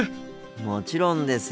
もちろんです。